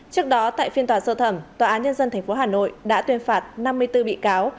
trước đó tại phiên tòa sơ thẩm tòa án nhân dân tp hà nội đã tuyên phạt năm mươi bốn bị cáo